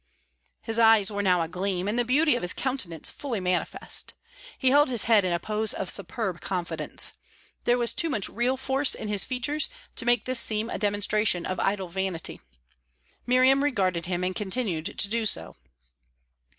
His eyes were now agleam, and the beauty of his countenance fully manifest. He held his head in a pose of superb confidence. There was too much real force in his features to make this seem a demonstration of idle vanity. Miriam regarded him, and continued to do so.